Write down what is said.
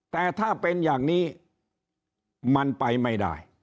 แต่ถ้าเป็นอย่างนี้มันไปไม่ได้